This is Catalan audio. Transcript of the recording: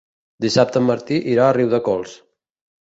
Dissabte en Martí irà a Riudecols.